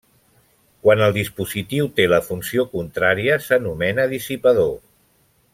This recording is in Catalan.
Quan el dispositiu té la funció contrària s'anomena dissipador.